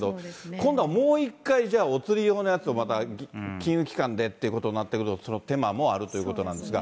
今度はもう一回、じゃあ、お釣り用のやつをまた金融機関でってことになってくると、その手間もあるということなんですが。